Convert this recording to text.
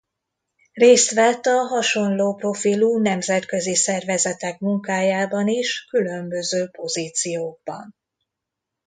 Részt vett a hasonló profilú nemzetközi szervezetek munkájában is különböző pozíciókban.